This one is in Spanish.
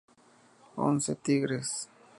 Once Tigres.